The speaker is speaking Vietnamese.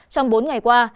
trong bốn ngày qua